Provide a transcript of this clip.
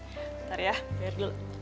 bentar ya bayar dulu